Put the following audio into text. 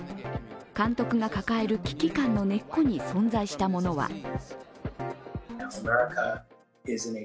監督が抱える危機感の根っこに存在したものは。